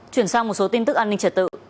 chuyển sang một số tin tức an ninh trật tự